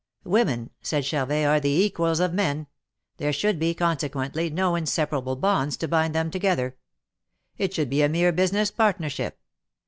Women," said Charvet, ^^are the equals of men. There should be, consequently, no inseparable bonds to bind them together. It should be a mere business partnership.